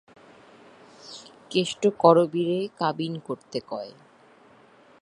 কেষ্ট করবীরে কাবিন করতে কয়।